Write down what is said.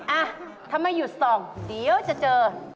อ่ะถ้าไม่หยุดส่องเดี๋ยวจะเจอ